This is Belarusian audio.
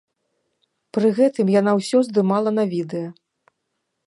Пры гэтым яна ўсё здымала на відэа.